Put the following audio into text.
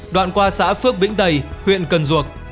đoạn qua xã phước vĩnh tây huyện cần duộc